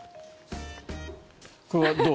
これはどう？